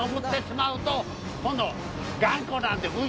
今度。